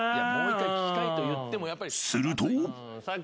［すると］